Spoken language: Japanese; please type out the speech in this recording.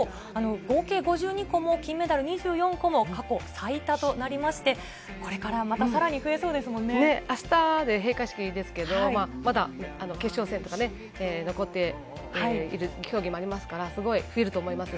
合計５２個、金メダル２４個も過去最多となりまして、これからま明日で閉会式ですけれど、まだ決勝戦とか残っている競技もありますから増えると思います。